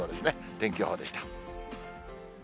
天気予報でした。